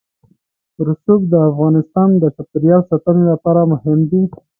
رسوب د افغانستان د چاپیریال ساتنې لپاره مهم دي.